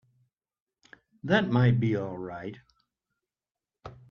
That might be all right.